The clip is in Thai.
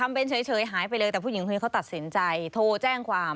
บางคนเวลาเจออะไรแบบนี้นะอืมบางทีก็ไม่อยากไปยุ่งมาก